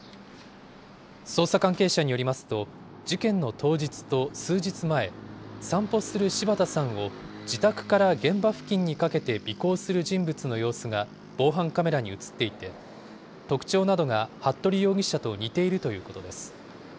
捜査関係者によりますと、事件の当日と数日前、散歩する柴田さんを自宅から現場付近にかけて尾行する人物の様子が防犯カメラに写っていて、特徴などが服部容疑者と似ているということです。